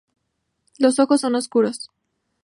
Los ojos son oscuros.